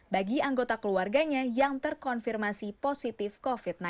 bagi anggota keluarganya yang terkonfirmasi positif covid sembilan belas